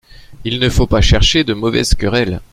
Il ne faut pas chercher de mauvaises querelles.